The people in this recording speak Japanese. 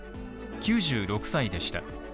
９６歳でした。